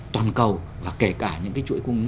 toàn cầu và kể cả những cái chuỗi cung ứng